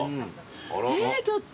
えちょっと。